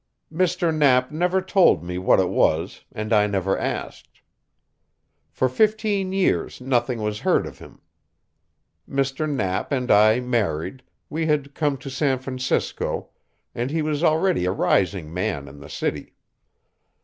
Mr. Knapp never told me what it was and I never asked. For fifteen years nothing was heard of him. Mr. Knapp and I married, we had come to San Francisco, and he was already a rising man in the city.